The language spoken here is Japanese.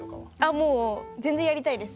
もう全然やりたいです